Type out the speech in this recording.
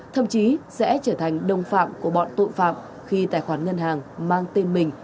thậm chí sẽ trở thành đồng phạm của bọn tội phạm khi tài khoản ngân hàng mang tên mình